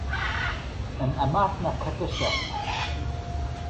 In imeacht na coicíse